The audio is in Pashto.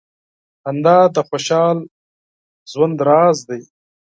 • خندا د خوشال ژوند راز دی.